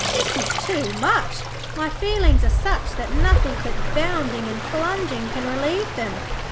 This is too much. My feelings are such that nothing but bounding and plunging can relieve them.'